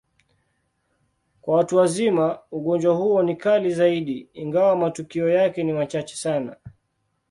Kwa watu wazima, ugonjwa huo ni kali zaidi, ingawa matukio yake ni machache sana.